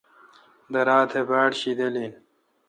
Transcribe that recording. درا تہ باڑ شیدل این۔